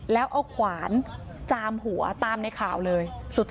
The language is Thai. แล้วเอาขวานจามหัวตามในข่าวเลย